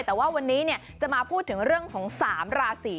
แต่ว่าวันนี้จะมาพูดถึงเรื่องของ๓ราศี